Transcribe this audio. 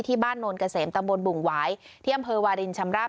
บ้านโนนเกษมตำบลบุ่งหวายที่อำเภอวาลินชำราบ